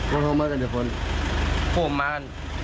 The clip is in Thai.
เด็กเพิ่มมา